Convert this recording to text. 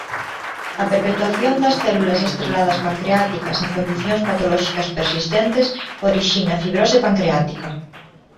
A perpetuación das células estreladas pancreáticas en condicións patolóxicas persistentes orixina fibrose pancreática.